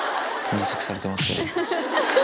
頭突きされてますけど。